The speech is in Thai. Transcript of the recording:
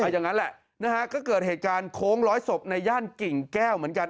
อย่างนั้นแหละนะฮะก็เกิดเหตุการณ์โค้งร้อยศพในย่านกิ่งแก้วเหมือนกัน